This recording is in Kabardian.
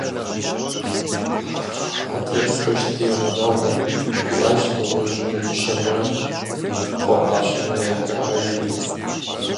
- Хьэтырыншэщ ди гъунэгъур, - жиӏащ дыгъужьым мыщэмрэ кхъуэпӏащэмрэ яхыхьэжри.